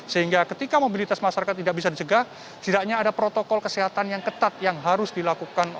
sehingga ketika mobilitas masyarakat tidak bisa dicegah tidaknya ada protokol kesehatan yang ketat yang harus dilakukan